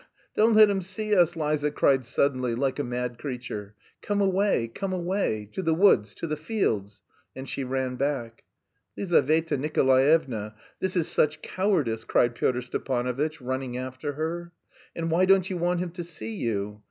Don't let him see us!" Liza cried suddenly, like a mad creature. "Come away, come away! To the woods, to the fields!" And she ran back. "Lizaveta Nikolaevna, this is such cowardice," cried Pyotr Stepanovitch, running after her. "And why don't you want him to see you?